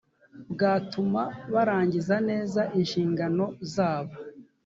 bwatuma barangiza neza inshingano zabo